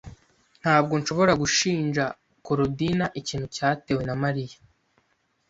Ntabwo nshobora gushinja Korodina ikintu cyatewe na Mariya.